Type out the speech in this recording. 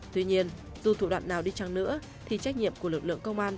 tuy nhiên dù thủ đoạn nào đi chăng nữa thì trách nhiệm của lực lượng công an